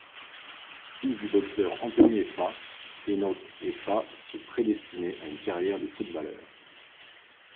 Fils du boxeur Anthony Effah, Enoch Effah se prédestinait à une carrière de footballeur.